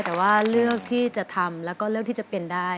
แต่ว่าเลือกที่จะทำแล้วก็เลือกที่จะเป็นได้